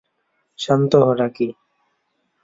শান্ত হ, রাকি!